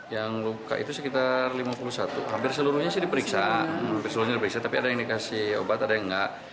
yang luka itu sekitar lima puluh satu hampir seluruhnya sih diperiksa hampir seluruhnya diperiksa tapi ada yang dikasih obat ada yang enggak